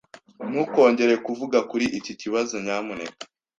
Ntukongere kuvuga kuri iki kibazo, nyamuneka.